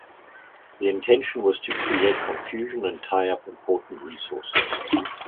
The intention was to create confusion and tie up important resources.